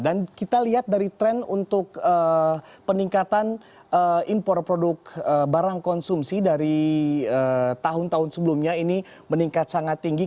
dan kita lihat dari tren untuk peningkatan impor produk barang konsumsi dari tahun tahun sebelumnya ini meningkat sangat tinggi